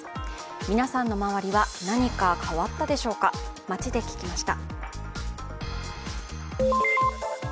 皆さんの周りは何か変わったでしょうか、街で聞きました